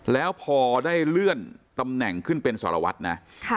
แล้วพอได้เลื่อนตำแหน่งขึ้นเป็นสารวัตรนะ